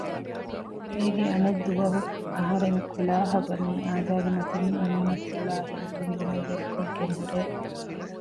އޭގެ އަނެއް ދުވަހު އަހަރެން ކުލާހަށް ވަނީ އާދައިގެ މަތިން މޫނަށް ފުޅާ ހިނިތުންވުމެއް ވެރިކޮށްގެން ހުރޭ